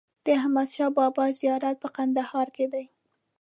د احمدشاه بابا زیارت په کندهار کې دی.